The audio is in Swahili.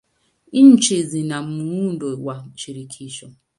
Nchi ina muundo wa shirikisho.